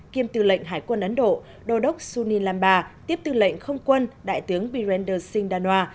kiêm tư lệnh hải quân ấn độ đô đốc sunilamba tiếp tư lệnh không quân đại tướng birender singh danoa